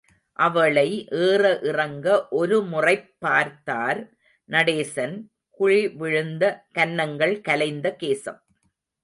அவளை ஏற இறங்க ஒருமுறைப் பார்த்தார் நடேசன், குழிவிழுந்த கன்னங்கள் கலைந்த கேசம்.